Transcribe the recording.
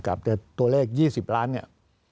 ตัวเลข๒๐ล้านเนี่ย